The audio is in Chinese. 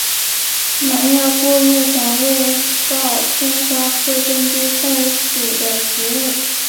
南亚过路黄为报春花科珍珠菜属的植物。